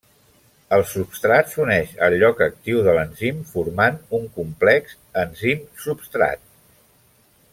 El substrat s'uneix al lloc actiu de l'enzim, formant un complex enzim-substrat.